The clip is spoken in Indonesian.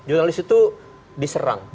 jurnalis itu diserang